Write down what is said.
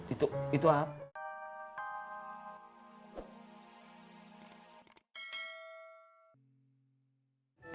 itu itu apa